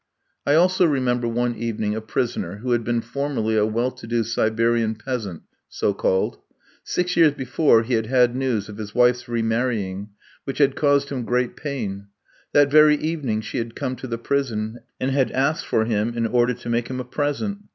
I also remember one evening, a prisoner, who had been formerly a well to do Siberian peasant, so called. Six years before he had had news of his wife's remarrying, which had caused him great pain. That very evening she had come to the prison, and had asked for him in order to make him a present!